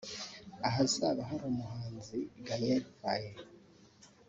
ahazaba hari umuhanzi Gael Faye